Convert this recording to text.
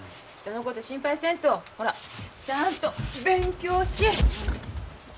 人のこと心配せんとほらちゃんと勉強し。